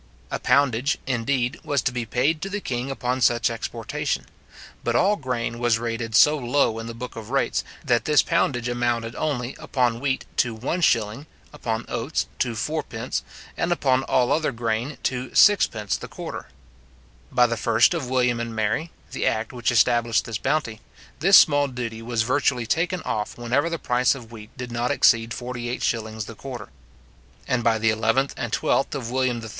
A poundage, indeed, was to be paid to the king upon such exportation; but all grain was rated so low in the book of rates, that this poundage amounted only, upon wheat to 1s., upon oats to 4d., and upon all other grain to 6d. the quarter. By the 1st of William and Mary, the act which established this bounty, this small duty was virtually taken off whenever the price of wheat did not exceed 48s. the quarter; and by the 11th and 12th of William III.